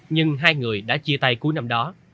nhưng hai người đã chia tay cuối năm đó